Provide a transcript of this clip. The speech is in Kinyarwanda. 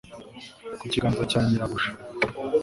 ku kiganza cya nyirabuja